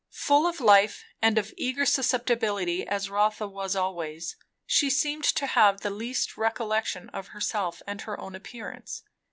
Full of life and of eager susceptibility as Rotha was always, she seemed to have the least recollection of herself and her own appearance.